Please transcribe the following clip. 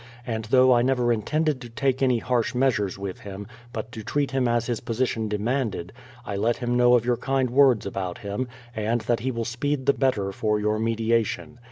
And though I never intended to take any harsh measures with him, but to treat him as his position de manded, I let him know of your kind words about him, and that he will speed the better for your mediation.